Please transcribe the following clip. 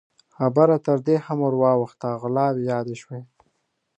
خبره تر دې هم ور واوښته، غلاوې يادې شوې.